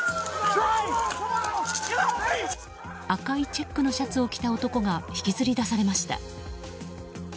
赤いチェックのシャツを着た男が引きずり出されました。